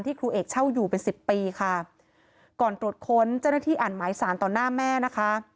ครูเอกเช่าอยู่เป็นสิบปีค่ะก่อนตรวจค้นเจ้าหน้าที่อ่านหมายสารต่อหน้าแม่นะคะ